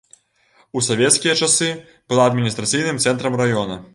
У савецкія часы была адміністрацыйным цэнтрам раёна.